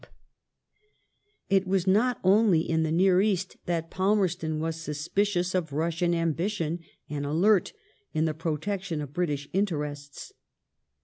The far It was not only in the near East that Palmerston was sus picious of Russian ambition and alert in the protection of British interests.